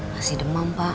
masih demam pak